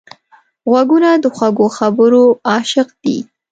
غوږونه د خوږو خبرو عاشق دي